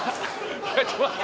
ちょっと待って。